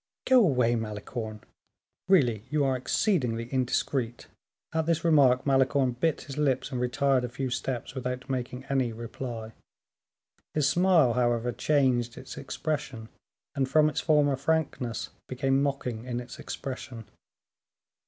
"Go away, Malicorne; really you are exceedingly indiscreet." At this remark Malicorne bit his lips and retired a few steps, without making any reply. His smile, however, changed its expression, and from its former frankness, became mocking in its expression.